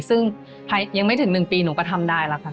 ซึ่งยังไม่ถึง๑ปีหนูก็ทำได้แล้วค่ะ